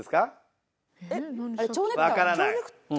分からない？